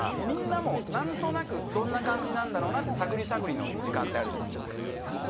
みんなもどんな感じなんだろうなって探り探りの時間あるじゃないですか。